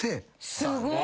すごい！